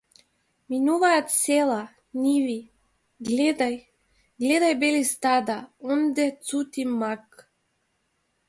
Минуваат села, ниви, гледај, гледај бели стада, онде цути мак!